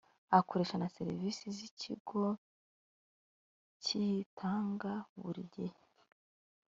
akoresha na serivisi z ikigo kiyitanga buri gihe